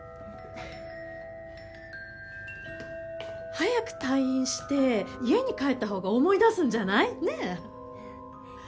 早く退院して家に帰った方が思い出すんじゃない？ねえ？